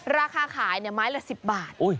ราคาขายเนี่ยไม้ละ๑๐บาท